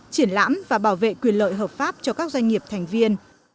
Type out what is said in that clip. triển lãm và bảo vệ quyền lợi hợp pháp cho các doanh nghiệp thành viên